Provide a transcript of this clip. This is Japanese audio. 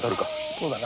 そうだな。